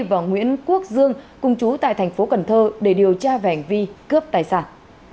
và nguyễn quốc dương cung trú tại thành phố cần thơ để điều tra và hành vi cướp tài sản